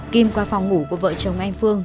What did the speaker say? kim qua phòng ngủ của vợ chồng anh phương